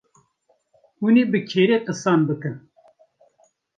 hûnê bi kê re qisan bikin.